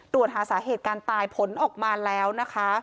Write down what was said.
ตรวจหาสาเหตุการตายผลออกมาแล้วนะคะ